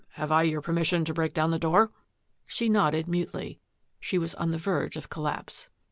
Have I your permission to break down the door? " She nodded mutely. She was on the verge of collapse.